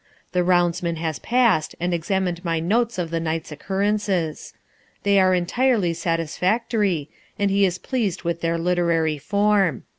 The roundsman has passed and examined my notes of the night's occurrences. They are entirely satisfactory, and he is pleased with their literary form.